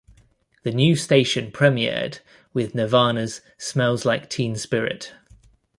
The new station premiered with "Nirvana's "Smells Like Teen Spirit".